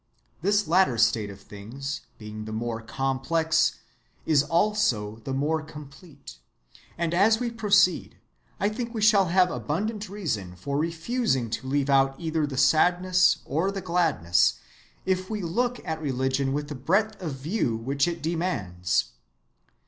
This latter state of things, being the more complex, is also the more complete; and as we proceed, I think we shall have abundant reason for refusing to leave out either the sadness or the gladness, if we look at religion with the breadth of view which it demands.